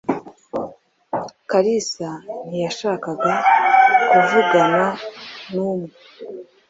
Kalisa ntiyashakaga kuvugana n'umwe.